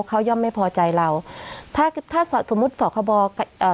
เขาย่อมไม่พอใจเราถ้าถ้าสมมุติสอคบเอ่อ